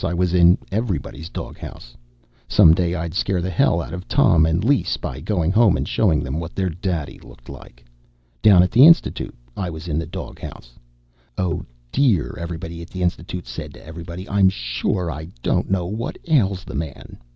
I was in everybody's doghouse. Some day I'd scare hell out of Tom and Lise by going home and showing them what their daddy looked like. Down at the Institute, I was in the doghouse. "Oh, dear," everybody at the Institute said to everybody, "I'm sure I don't know what ails the man.